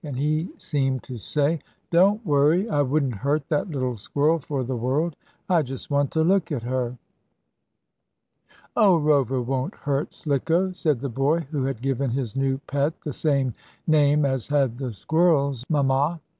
And he seemed to say: "Don't worry! I wouldn't hurt that little squirrel for the world. I just want to look at her." "Oh, Rover won't hurt Slicko," said the boy, who had given his new pet the same name as had the squirrel's mamma.